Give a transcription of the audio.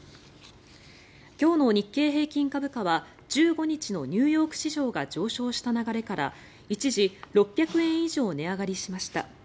今日の日経平均株価は１５日のニューヨーク市場が上昇した流れから一時、６００円以上値上がりしました。